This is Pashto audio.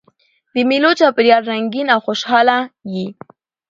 د مېلو چاپېریال رنګین او خوشحاله يي.